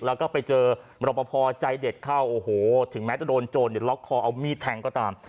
แล้วก็ไปเจอมรปภใจเด็ดเข้าโอ้โหถึงแม้จะโดนโจรล็อกคอเอามีดแทงก็ตาม